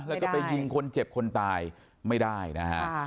ใช่ไหมแล้วก็ไปยิงคนเจ็บคนตายไม่ได้นะครับ